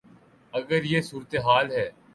اگر یہ صورتحال ہے۔